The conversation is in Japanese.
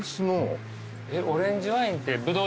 オレンジワインって。